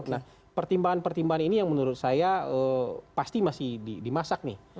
nah pertimbangan pertimbangan ini yang menurut saya pasti masih dimasak nih